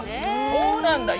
そうなんだ。